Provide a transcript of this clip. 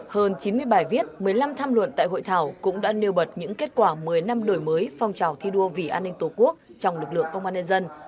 hơn chín mươi bài viết một mươi năm tham luận tại hội thảo cũng đã nêu bật những kết quả một mươi năm đổi mới phong trào thi đua vì an ninh tổ quốc trong lực lượng công an nhân dân